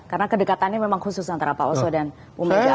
karena kedekatannya memang khusus antara pak oso dan bumega atau